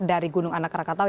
dari gunung anak krakatau